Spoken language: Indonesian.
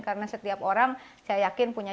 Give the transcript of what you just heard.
karena setiap orang saya yakin punya